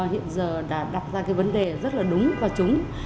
hiện giờ đã đặt ra cái vấn đề rất là đúng và trúng